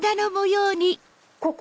ここ？